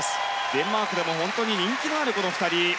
デンマークでも本当に人気のある、この２人。